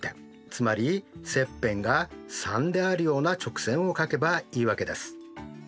つまり切片が３であるような直線をかけばいいわけです。